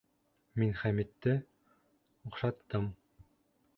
Мин Хәмитте... оҡшаттым.